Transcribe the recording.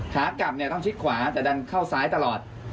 ขากลับเนี่ยต้องชิดขวาแต่ดันเข้าซ้ายตลอด